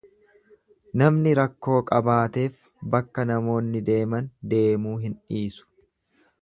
Namni rakkoo qabaateef bakka namoonni deeman deemuu hin dhiisu.